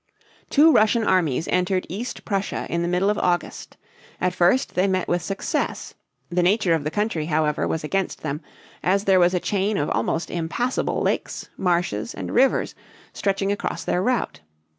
Two Russian armies entered East Prussia in the middle of August. At first they met with success. The nature of the country, however, was against them, as there was a chain of almost impassable lakes, marshes, and rivers stretching across their route.